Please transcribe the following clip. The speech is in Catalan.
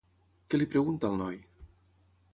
Què li pregunta al noi?